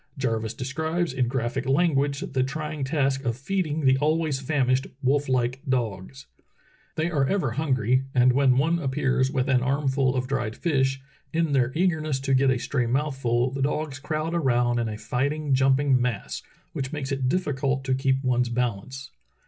Jarvis describes in graphic language the trying task of feeding the always famished, wolf like dogs: "They are ever hungry, and when one appears with an armful of dried fish, in their eagerness to get a stray mouthful the dogs crowd around in a fighting, jumping mass, which makes it difficult to keep one's balance.